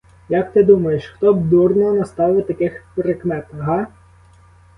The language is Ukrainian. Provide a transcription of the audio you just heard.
Як ти думаєш, хто б дурно наставив таких прикмет, га?